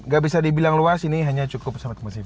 gak bisa dibilang luas ini hanya cukup sobat tempat cv